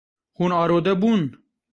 Hûn arode bûn.